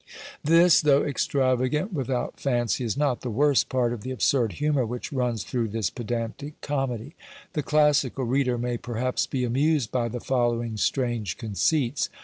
This, though extravagant without fancy, is not the worst part of the absurd humour which runs through this pedantic comedy. The classical reader may perhaps be amused by the following strange conceits.